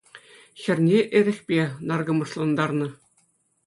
Хӗрне эрехпе наркӑмӑшлантарнӑ